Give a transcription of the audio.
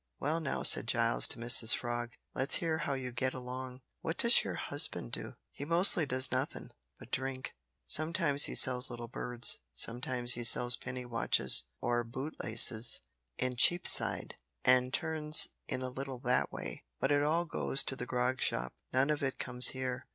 "Well now," said Giles to Mrs Frog, "let's hear how you get along. What does your husband do?" "He mostly does nothin' but drink. Sometimes he sells little birds; sometimes he sells penny watches or boot laces in Cheapside, an' turns in a little that way, but it all goes to the grog shop; none of it comes here.